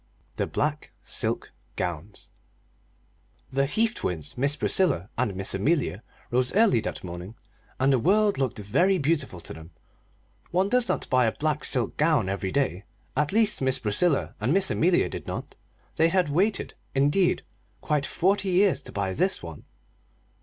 The Black Silk Gowns The Heath twins, Miss Priscilla and Miss Amelia, rose early that morning, and the world looked very beautiful to them one does not buy a black silk gown every day; at least, Miss Priscilla and Miss Amelia did not. They had waited, indeed, quite forty years to buy this one.